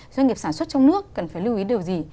doanh nghiệp sản xuất trong nước cần phải lưu ý điều gì